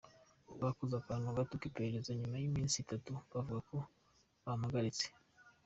Bakoze akantu gato k’iperereza nyuma y’iminsi itatu bavuga ko bampagaritse.